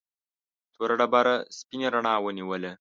توره ډبره سپینې رڼا ونیوله.